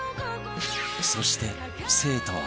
そして生徒は